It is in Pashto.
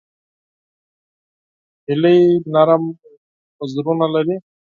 هیلۍ نرم وزرونه لري